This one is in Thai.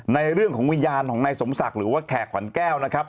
ในเรื่องของวิญญาณของนายสมศักดิ์หรือว่าแขกขวัญแก้วนะครับ